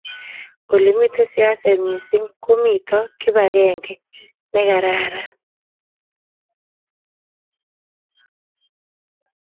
olemiten siaset mising komito kibangenge ngegararan